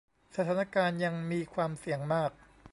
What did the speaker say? สถานการณ์ยังมีความเสี่ยงมาก